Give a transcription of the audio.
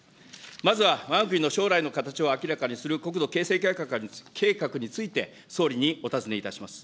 まずはわが国の将来の形を明らかにする国土形成計画について、総理にお尋ねいたします。